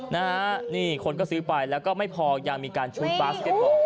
นะฮะนี่คนก็ซื้อไปแล้วก็ไม่พอยังมีการชูดบาสเก็ตบอล